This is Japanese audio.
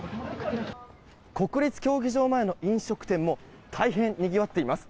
国立競技場前の飲食店も大変にぎわっています。